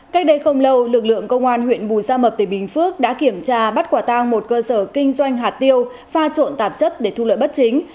cách đây không lâu lực lượng công an huyện bù gia mập tỉnh bình phước đã kiểm tra bắt quả tang một cơ sở kinh doanh hạt tiêu pha trộn tạp chất để thu lợi bất chính